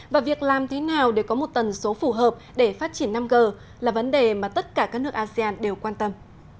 và việc làm thế nào để có một tần số phù hợp để phát triển năm g là vấn đề mà tất cả các nước asean đều quan tâm